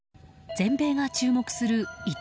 全米が注目する遺体